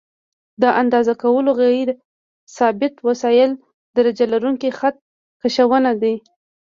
د اندازه کولو غیر ثابت وسایل درجه لرونکي خط کشونه دي.